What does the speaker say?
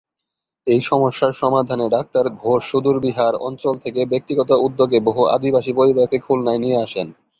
এই সমস্যার সমাধানে ডাক্তার ঘোষ সুদূর বিহার অঞ্চল থেকে ব্যক্তিগত উদ্যোগে বহু আদিবাসী পরিবারকে খুলনায় নিয়ে আসেন।